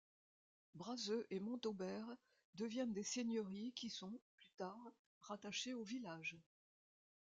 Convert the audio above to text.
Braseux et Montaubert deviennent des seigneuries qui sont, plus tard, rattachées au village.